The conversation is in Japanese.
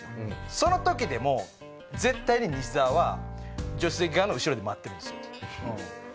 その時でも絶対に西澤は助手席側の後ろで待ってるんです。